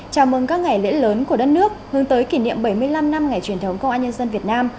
chào mừng các ngày lễ lớn của đất nước hướng tới kỷ niệm bảy mươi năm năm ngày truyền thống công an nhân dân việt nam